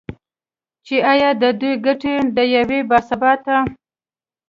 چې ایا د دوی ګټې د یو با ثباته